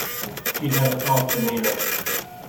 She had a soft demeanour.